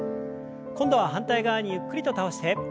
今度は反対側にゆっくりと倒して。